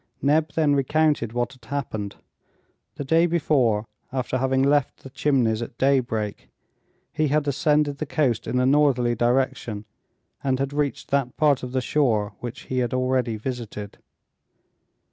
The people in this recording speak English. Neb then recounted what had happened. The day before, after having left the Chimneys at daybreak, he had ascended the coast in a northerly direction, and had reached that part of the shore which he had already visited.